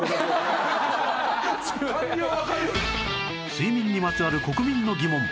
睡眠にまつわる国民の疑問